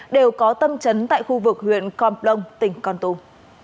đều có tâm trấn tại khu vực huyện con plong tỉnh con tum